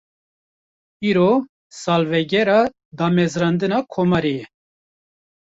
Îro, salvegera damezrandina Komarê ye